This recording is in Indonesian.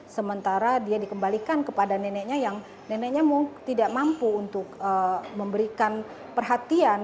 sementara dia dikembalikan kepada neneknya yang neneknya tidak mampu untuk memberikan perhatian